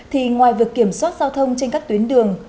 thì ngoài việc kiểm soát giao thông trên các tuyến đường